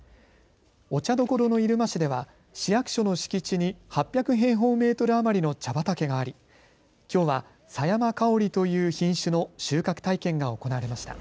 お茶どころの入間市では市役所の敷地に８００平方メートル余りの茶畑があり、きょうはさやまかおりという品種の収穫体験が行われました。